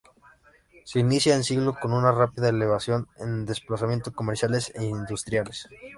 Se inicia el siglo con una rápida elevación de establecimientos comerciales e industriales.